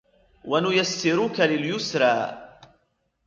ونيسرك لليسرى